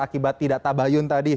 akibat tidak tabayun tadi